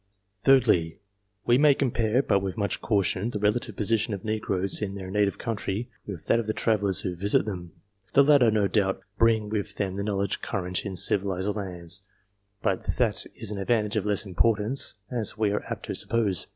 Thirdly, we may compare, but with much caution, the relative position of negroes in their native country with that of the travellers who visit them. The latter, no doubt, bring with them the knowledge current in civilized lands, but that is an advantage of less importance than we are apt to suppose.